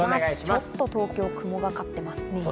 ちょっと東京、雲がかかってますね。